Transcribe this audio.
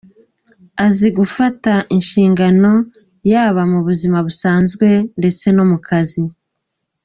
Azi gufata inshingano yaba mu buzima busanzwe ndetse no mu kazi.